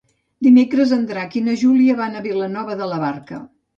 Dimecres en Drac i na Júlia van a Vilanova de la Barca.